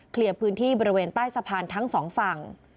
เคลียร์พื้นที่บริเวณใต้สะพานทั้งสองฝั่ง